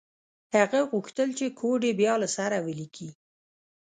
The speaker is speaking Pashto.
هغه غوښتل چې کوډ یې بیا له سره ولیکي